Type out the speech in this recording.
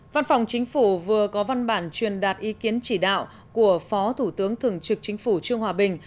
văn phòng chính phủ vừa có văn bản truyền đạt ý kiến chỉ đạo của phó thủ tướng thường trực chính phủ trương hòa bình